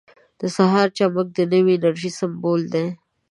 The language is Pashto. • د سهار چمک د نوې انرژۍ سمبول دی.